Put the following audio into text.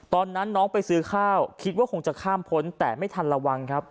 ตอนนั้นน้องไปซื้อข้าวคิดว่าคงจะข้ามพ้นแต่ไม่ทันระวังครับ